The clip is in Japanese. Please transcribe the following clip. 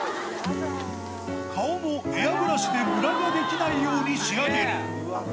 顔もエアブラシでむらができないように仕上げる。